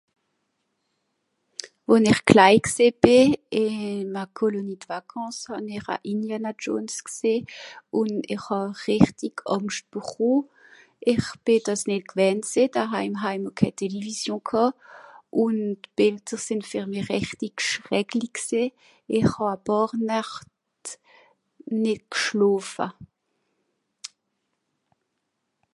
Wo-n-ìch klei gsìì bì ìm a Colonie d'Vacance hà'mìr a Indiana Johnes gseh ùn ìch hà rìchtig Àngscht becho, ìch bì dàs nìt gwehnt gsìì, da han heim ké Television ghàà, ùn d'Bìlder sìnn fer mìch rìchtig schreklig gsìì. Ìch hàà e pààr Nächt nìt gschlofa.